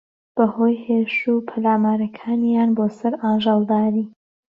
بەھۆی ھێرش و پەلامارەکانیان بۆسەر ئاژەڵداری